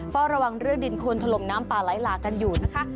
เฝ้าระวังเรื่องดินคนถล่มน้ำป่าไหลหลากกันอยู่นะคะ